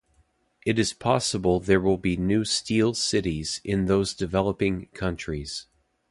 It is possible there will be new "steel cities" in those developing countries.